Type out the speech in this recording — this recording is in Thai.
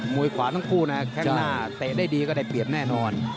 วยขวาทั้งคู่นะข้างหน้าเตะได้ดีก็ได้เปรียบแน่นอน